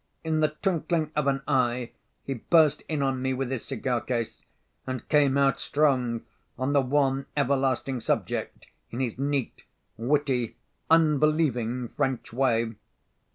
In the twinkling of an eye, he burst in on me with his cigar case, and came out strong on the one everlasting subject, in his neat, witty, unbelieving, French way.